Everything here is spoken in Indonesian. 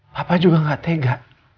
papa juga gak tega